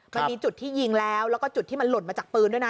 มันมีจุดที่ยิงแล้วแล้วก็จุดที่มันหล่นมาจากปืนด้วยนะ